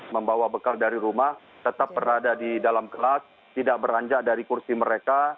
membawa bekal dari rumah tetap berada di dalam kelas tidak beranjak dari kursi mereka